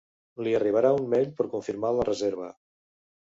Li arribarà un mail per confirmar la reserva.